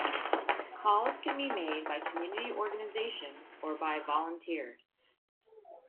Calls can be made by community organizations or by volunteers.